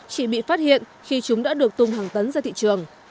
chị bị phát hiện khi chúng đã được tung hàng tấn ra thị trường